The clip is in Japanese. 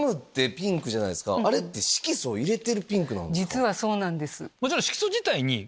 実はそうなんです。